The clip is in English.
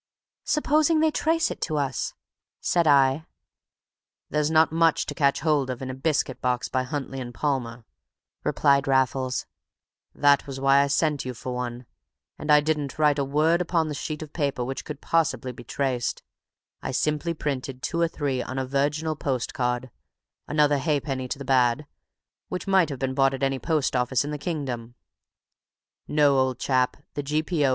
"Supposing they trace it to us?" said I. "There's not much to catch hold of in a biscuit box by Huntley & Palmer," replied Raffles; "that was why I sent you for one. And I didn't write a word upon a sheet of paper which could possibly be traced. I simply printed two or three on a virginal post card—another half penny to the bad—which might have been bought at any post office in the kingdom. No, old chap, the G.P.O.